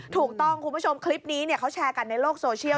คุณผู้ชมคลิปนี้เขาแชร์กันในโลกโซเชียล